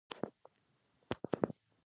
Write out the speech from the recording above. په لوست هم بنده نه ستومانوي.